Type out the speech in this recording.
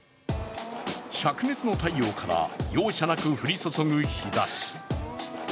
しゃく熱の太陽から容赦なく降り注ぐ日ざし。